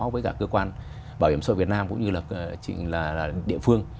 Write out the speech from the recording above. với cả cơ quan bảo hiểm sổ việt nam cũng như là địa phương